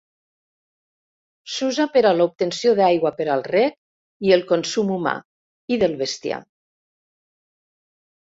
S'usa per a l'obtenció d'aigua per al rec i el consum humà i del bestiar.